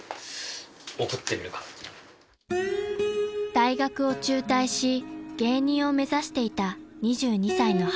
［大学を中退し芸人を目指していた２２歳の春］